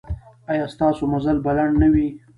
ایا ستاسو مزل به لنډ نه وي؟